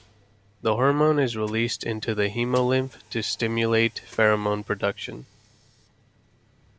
The hormone is released into the hemolymph to stimulate pheromone production.